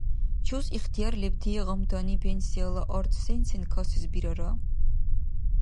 Чус ихтияр лебти гъамтани пенсияла арц сен-сен касес бирара?